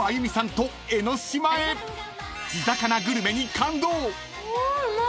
［地魚グルメに感動！］